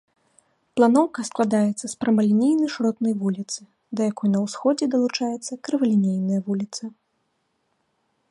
Планоўка складаецца з прамалінейнай шыротнай вуліцы, да якой на ўсходзе далучаецца крывалінейная вуліца.